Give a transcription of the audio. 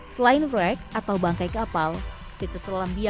selain wreck atau bangkai kapal situs selam berbeda